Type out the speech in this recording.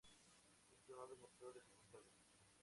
Esto no demostró dificultades.